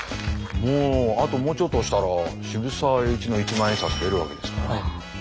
もうあともうちょっとしたら渋沢栄一の一万円札出るわけですからね。